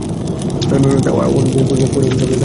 অন্য দুজনের পরিমাপ সব সময়ই তার প্রকৃত পরিমাপ থেকে বেশি হবে।